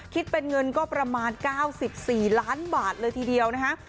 คิดเป็นเงินก็ประมาณ๙๔ล้านบาทเลยทีเดียวนะฮะ